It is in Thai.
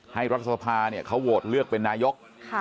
รัฐสภาเขาโหวตเลือกเป็นนายก